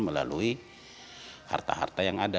melalui harta harta yang ada